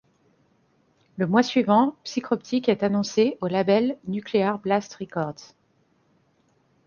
Le mois suivant, Psycroptic est annoncé au label Nuclear Blast Records.